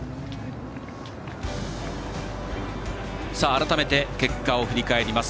改めて、結果を振り返ります。